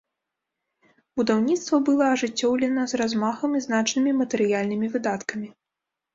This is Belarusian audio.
Будаўніцтва была ажыццёўлена з размахам і значнымі матэрыяльнымі выдаткамі.